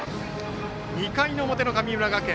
２回の表の神村学園。